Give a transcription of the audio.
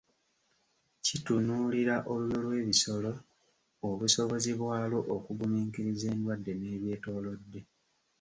Kitunuulira olulyo lw'ebisolo, obusobozi bwalwo okugumiikiriza endwadde n'ebyetoolodde.